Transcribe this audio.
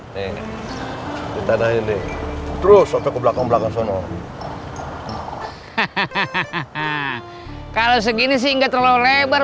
nih kita dah ini terus atau ke belakang belakang sono hahaha kalau segini sih nggak terlalu lebar